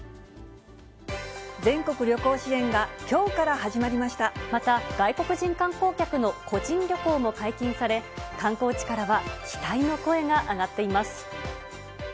全国旅行支援がきょうから始また、外国人観光客の個人旅行も解禁され、観光地からは期待の声が上がっています。